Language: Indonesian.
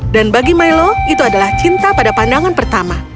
bagi milo itu adalah cinta pada pandangan pertama